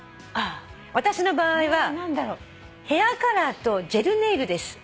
「私の場合はヘアカラーとジェルネイルです」